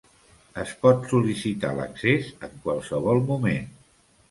Es pot sol·licitar l'accés en qualsevol moment.